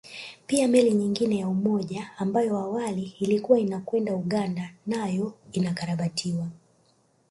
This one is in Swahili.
Pia meli nyingine ya Umoja ambayo awali ilikuwa inakwenda Uganda nayo inakarabatiwa